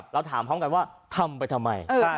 เราถามพร้อมกันว่าทำไปทำไม